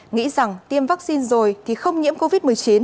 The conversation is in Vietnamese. nghĩ rằng tiêm vaccine rồi thì không nhiễm covid một mươi chín